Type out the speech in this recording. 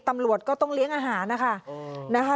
ตำรวจก็ต้องเลี้ยงอาหารนะคะ